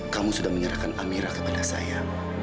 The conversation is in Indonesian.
kamu sudah menyerahkan amirah kepada saya